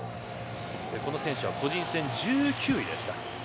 この選手は個人戦、１９位でした。